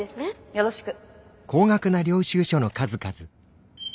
よろしく。